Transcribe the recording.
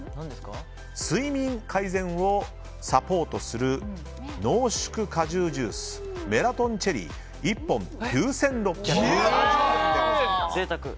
睡眠改善をサポートする濃縮果汁ジュースメラトンチェリー１本９６７０円でございます。